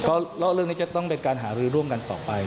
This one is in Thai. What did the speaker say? ก็เรื่องนี้จะต้องเป็นการหารือร่วมกันต่อไป